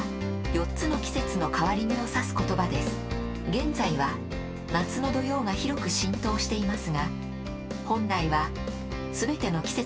現在は夏の土用が広く浸透していますが本来は全ての季節に使われるのです。